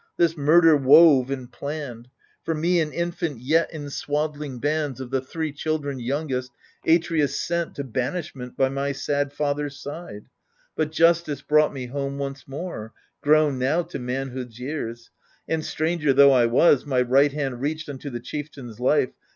— this murder wove and planned ; For me, an infant yet in swaddling bands, Of the three ^ children youngest, Atreus sent To banishment by my sad father's side : But Justice brought me home once more, grown now To manhood's years ; and stranger tho' I was. My right hand reached unto the chieftain's life.